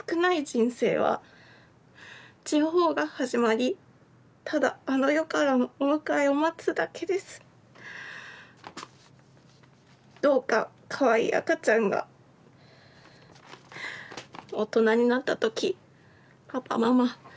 人生は痴呆が始まり唯あの世からのお迎えを待つだけですどうか可愛いい赤ちゃんが大人になった時パパママ